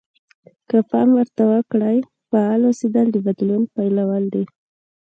که پام ورته وکړئ فعال اوسېدل د بدلون پيلول دي.